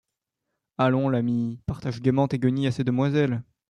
Allons, l’ami, partage gaiement tes guenilles à ces demoiselles.